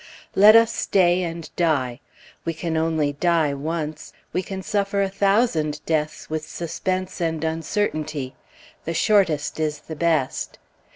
Let us stay and die. We can only die once; we can suffer a thousand deaths with suspense and uncertainty; the shortest is the best.